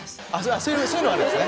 そういうのはあるんですね。